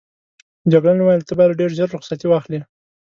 جګړن وویل ته باید ډېر ژر رخصتي واخلې.